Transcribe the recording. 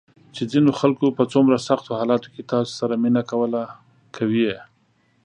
چې ځینو خلکو په څومره سختو حالاتو کې تاسو سره مینه کوله، کوي یې ~